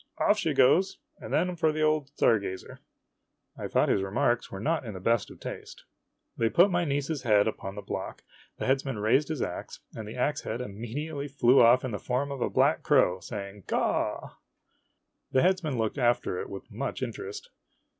Off she goes, and then for the old star gazer! ' I thought his remarks were not in the best of taste. They put my niece's head upon the block, the headsman raised his ax, and the ax head immediately flew off in the form of a black crow, say ing, " Caw !" The headsman looked after it with much interest.